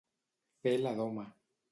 Fer la doma.